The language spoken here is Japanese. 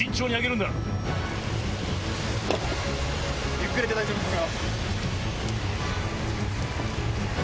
ゆっくりで大丈夫ですよ。